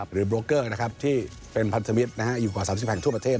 โบรกเกอร์ที่เป็นพันธมิตรอยู่กว่า๓๐แห่งทั่วประเทศ